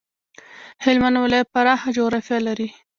هلمند ولایت پراخه جغرافيه لري.